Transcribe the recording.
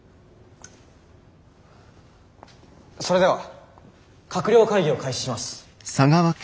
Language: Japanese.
それでは閣僚会議を開始します。